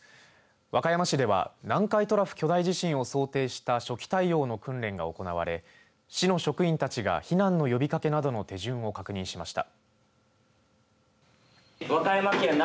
和歌山市では南海トラフ巨大地震を想定した初期対応の訓練が行われ市の職員たちが避難の呼びかけなどの手順を確認しました。